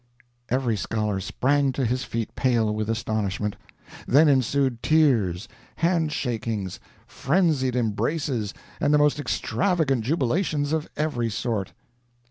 Every scholar sprang to his feet pale with astonishment. Then ensued tears, handshakings, frenzied embraces, and the most extravagant jubilations of every sort.